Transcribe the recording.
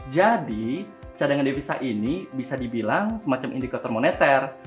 jadi cadangan devisa ini bisa dibilang semacam indikator moneter